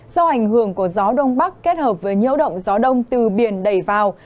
do ảnh hưởng của gió đông bắc kết hợp với nhiễu động gió đông từ biển đẩy vào